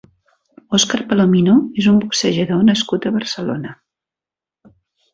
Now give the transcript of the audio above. Óscar Palomino és un boxejador nascut a Barcelona.